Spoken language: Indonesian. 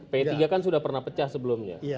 p tiga kan sudah pernah pecah sebelumnya